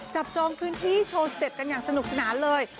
จองพื้นที่โชว์สเต็ปกันอย่างสนุกสนานเลย